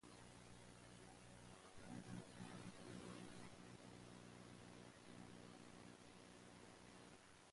The rebels realized that they would be unable to win and abandoned their expedition.